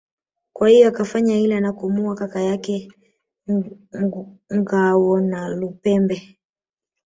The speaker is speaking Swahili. Kwa hiyo akafanya hila na kumuua kaka yake Ngawonalupembe